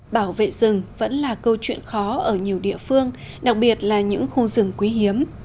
bảo vệ rừng vẫn là câu chuyện khó ở nhiều địa phương đặc biệt là những khu rừng quý hiếm